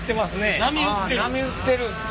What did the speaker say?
あ波打ってる。